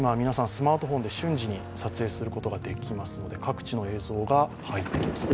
スマートフォンで瞬時に撮影することができるので各地の映像が入ってきます。